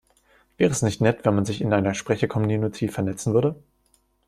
Wäre es nicht nett, wenn man sich in einer Sprechercommunity vernetzen würde?